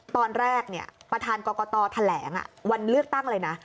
ตอนแรกประธานกรกตแถลงวันเลือกตั้งเลยนะ